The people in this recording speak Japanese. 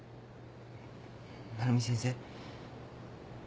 鳴海先生。